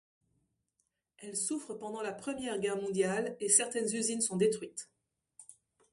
Elles souffrent pendant la première Guerre mondiale, et certaines usines sont détruites.